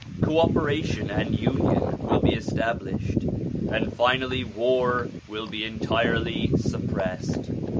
Co operation and union will be established, and finally war will be entirely suppressed.